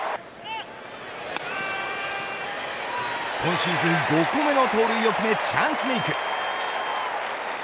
今シーズン５個目の盗塁を決めチャンスメーク。